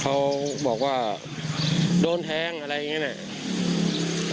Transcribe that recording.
เขาบอกว่าโดนแทงอะไรอย่างนี้เนี่ย